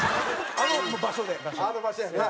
あの場所やんな。